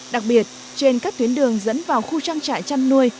đặc biệt trên các tuyến đường dẫn vào khu chăn chạy chăn nuôi